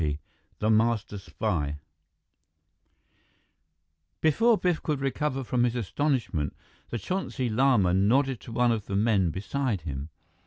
XX The Master Spy Before Biff could recover from his astonishment, the Chonsi Lama nodded to one of the men beside him.